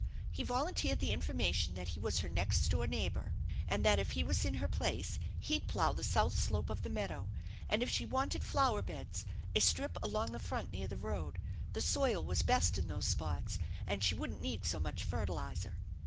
He volunteered the information that he was her next neigh bor, and that if he was in her place he'd plough the south elope of the meadow, and if she wanted flower beds a strip along the front near the road; the soil was best in those spots, and she wouldn't need so much fertilizer.